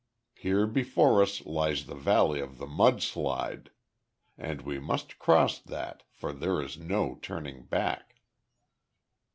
Here before us lies the Valley of the Mud slide. And we must cross that, for there is no turning back."